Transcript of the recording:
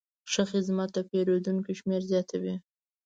ښه خدمت د پیرودونکو شمېر زیاتوي.